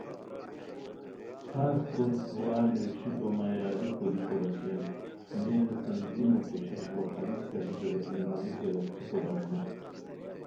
خاص کوری کھوار نویشیکو مغیاری کوریکو بچین مئیر تنظیمو کوشش وا فرید صاحبو رہنمائی کیہ روخڅیکو بݰ نو